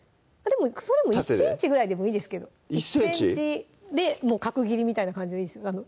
それも１ｃｍぐらいでいいですけど１ｃｍ？で角切りみたいな感じでいいですよ